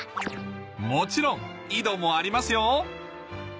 もちろん井戸もありますよ